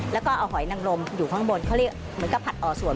แล้วก็เอาหอยนังลมอยู่ข้างบนเขาเรียกเหมือนกับผัดอ่อส่วน